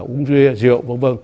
uống ria rượu v v